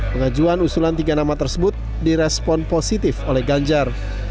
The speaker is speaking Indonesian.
pengajuan usulan tiga nama tersebut direspon positif oleh ganjar